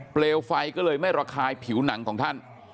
เปลวไฟก็เลยไม่ระคายผิวหนังของท่าน